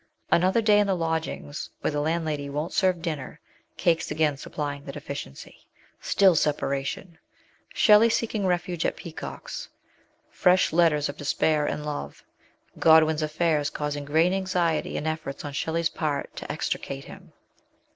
Another day in the lodgings where the landlady won't serve dinner, cakes again supplying the deficiency. Still separation, Shelley seeking refuge at Peacock's. Fresh letters of despair and love, Godwin's affairs causing great anxiety and efforts on Shelley's part to extricate him.